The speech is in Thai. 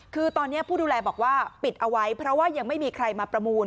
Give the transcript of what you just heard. คือตอนนี้ผู้ดูแลบอกว่าปิดเอาไว้เพราะว่ายังไม่มีใครมาประมูล